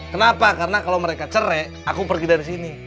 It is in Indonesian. kenapa karena kalau mereka cerai aku pergi dari sini